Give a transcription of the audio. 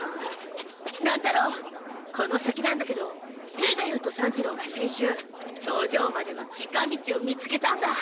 乱太郎この先なんだけど兵太夫と三治郎が先週頂上までの近道を見つけたんだ！